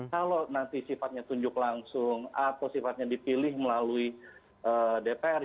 kalau nanti sifatnya tunjuk langsung atau sifatnya dipilih melalui dpr